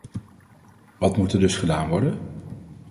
Wat moet er dus gedaan worden?